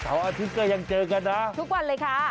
อาทิตย์ก็ยังเจอกันนะทุกวันเลยค่ะ